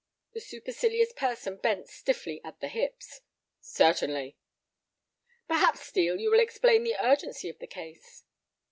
The supercilious person bent stiffly at the hips. "Certainly." "Perhaps, Steel, you will explain the urgency of the case." Mr.